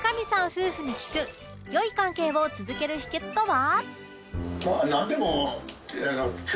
夫婦に聞く良い関係を続ける秘訣とは？